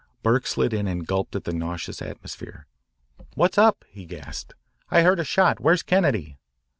Burke slid in and gulped at the nauseous atmosphere. "What's up?" he gasped. "I heard a shot. Where's Kennedy?"